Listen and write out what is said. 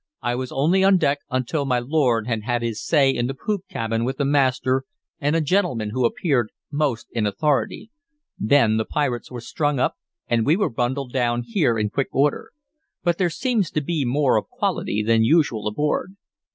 "I was only on deck until my lord had had his say in the poop cabin with the master and a gentleman who appeared most in authority. Then the pirates were strung up, and we were bundled down here in quick order. But there seems to be more of quality than usual aboard."